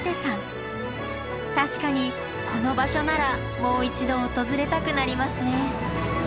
確かにこの場所ならもう一度訪れたくなりますね。